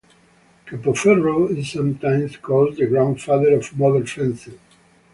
Capoferro is sometimes called the grandfather of modern fencing.